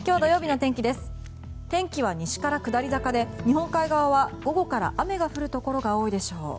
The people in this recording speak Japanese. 天気は西から下り坂で日本海側は午後から雨が降るところが多いでしょう。